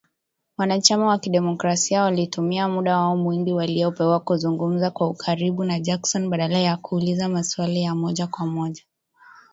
Wana chama wakidemokrasia walitumia muda wao mwingi waliopewa kuzungumza kwa ukaribu na Jackson badala ya kuuliza maswali ya moja kwa moja